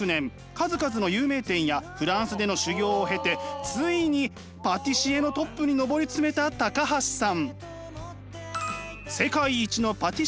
数々の有名店やフランスでの修業を経てついにパティシエのトップに上り詰めた橋さん。